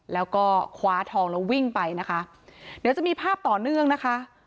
แล้วก็คว้าทองแล้ววิ่งไปนะคะเดี๋ยวจะมีภาพต่อเนื่องนะคะ